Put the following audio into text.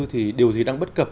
thì điều gì đang bất cập